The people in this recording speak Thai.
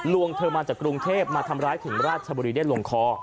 วงเธอมาจากกรุงเทพมาทำร้ายถึงราชบุรีได้ลงคอ